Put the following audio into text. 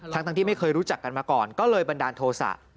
ทั้งที่ไม่เคยรู้จักกันมาก่อนก็เลยบันดาลโทษะ